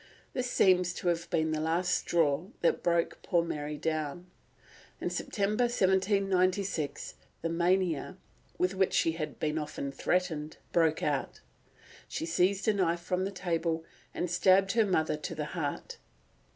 This seems to have been the last straw that broke poor Mary down. In September 1796 the mania, with which she had been often threatened, broke out; she seized a knife from the table and stabbed her mother to the heart.